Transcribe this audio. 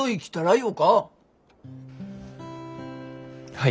はい。